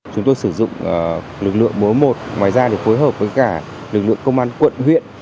chúng tôi sử dụng lực lượng một trăm bốn mươi một ngoài ra để phối hợp với cả lực lượng công an quận huyện